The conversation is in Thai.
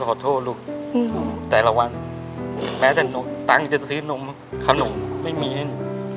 ป่าขอโทษลูกแต่ละวันแม้แต่โน่นตังค์จะซื้อนมขนมไม่มีเงิน